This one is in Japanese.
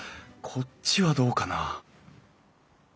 こっちはどうかな？